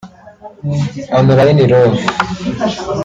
Online love